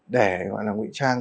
để gọi là nguy trang